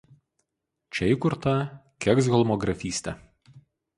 Čia įkurta Keksholmo grafystė.